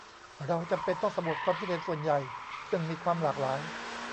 เราจำเป็นต้องสำรวจความคิดเห็นส่วนใหญ่ซึ่งมีความหลากหลาย